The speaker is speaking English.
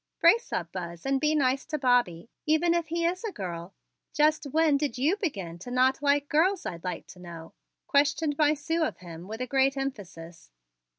"Brace up, Buzz, and be nice to Bobby, even if he is a girl. Just when did you begin not to like girls, I'd like to know?" questioned my Sue of him with a great emphasis.